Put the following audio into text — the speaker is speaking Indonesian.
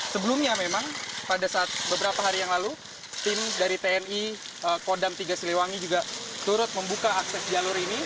sebelumnya memang pada saat beberapa hari yang lalu tim dari tni kodam tiga siliwangi juga turut membuka akses jalur ini